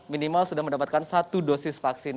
minimal sudah mendapatkan satu dosis vaksin